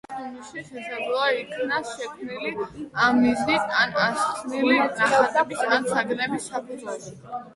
ხელოვნების ნიმუში შესაძლოა იქნას შექმნილი ამ მიზნით ან ახსნილი ნახატების ან საგნების საფუძველზე.